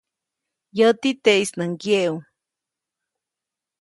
Yäti, teʼis nä ŋgyeʼu.